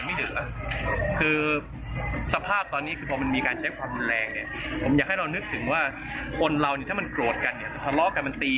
ไม่สุดล่ะคือสภาพตอนนี้